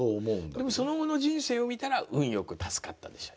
でもその後の人生を見たら「運よく助かった」でしょ